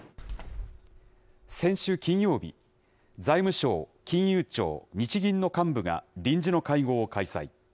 先週金曜日、財務省、金融庁、日銀の幹部が臨時の会合を開催。